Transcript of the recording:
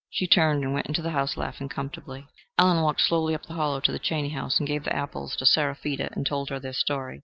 She turned and went into the house, laughing comfortably. Allen walked slowly up the hollow to the Chaney house, and gave the apples to Seraphita and told her their story.